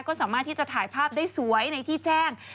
ก็สามารถที่จะถ่ายภาพได้สวยในที่แจ้ง